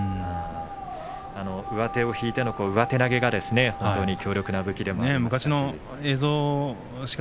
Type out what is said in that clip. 上手を引いての上手投げが本当に強力な武器でもありましたし。